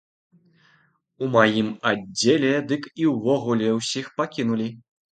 У маім аддзеле дык і ўвогуле ўсіх пакінулі.